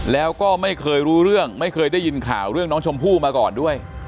แล้วก็ไม่เคยรู้เรื่องไม่เคยได้ยินข่าวเรื่องน้องชมพู่มาก่อนด้วย